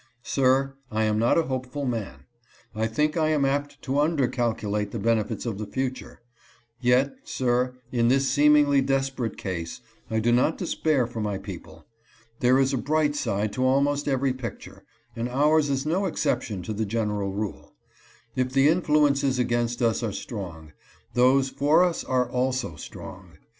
Sir, I am not a hopeful man. I think I am apt to undercalculate the benefits of the future. Yet, sir, in this seemingly desperate case, I do not despair for my people. There is a bright side to almost every picture, and ours is no exception to the general rule. If the influences against us are strong, those for us are also strong.